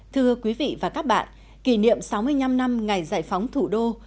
thưa quý vị và các bạn kỷ niệm sáu mươi năm năm ngày giải phóng thủ đô